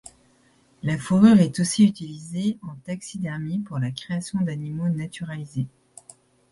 La fourrure est aussi utilisée en taxidermie pour la création d'animaux naturalisés.